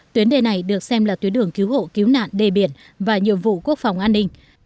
tuyến đề này được xem là tuyến đường cứu hộ cứu nạn đề biển và nhiệm vụ quốc phòng an ninh